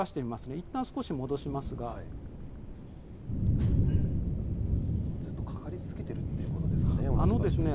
いったん少し戻しますが、ずっとかかり続けているということですかね。